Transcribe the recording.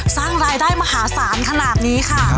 สร้างรายได้มหาศาลขนาดนี้ค่ะ